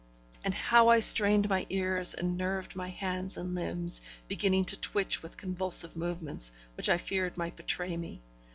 And how I strained my ears, and nerved my hands and limbs, beginning to twitch with convulsive movements, which I feared might betray me!